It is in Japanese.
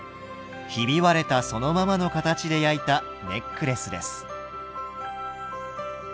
ひび割れたそのままの形で焼いたネックレスです。